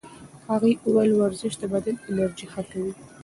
هغې وویل ورزش د بدن انرژي ښه کاروي.